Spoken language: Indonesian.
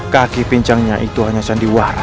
kaki pincangnya itu hanya sandiwara